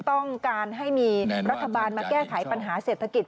ต้องการให้มีรัฐบาลมาแก้ไขปัญหาเศรษฐกิจ